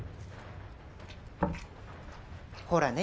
ほらね